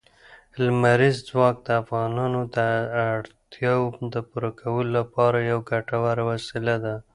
لمریز ځواک د افغانانو د اړتیاوو د پوره کولو لپاره یوه ګټوره وسیله ده.